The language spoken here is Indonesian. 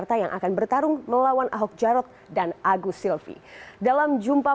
terima kasih pak